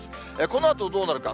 このあとどうなるか。